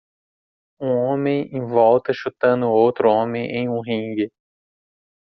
Um homem em volta chutando outro homem em um ringue.